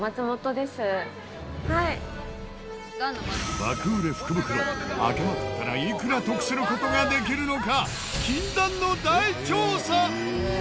爆売れ福袋開けまくったらいくら得する事ができるのか？